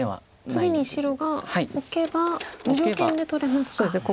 次に白がオケば無条件で取れますか。